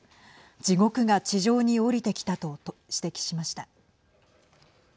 地獄が地上に降りてきたと指摘しました。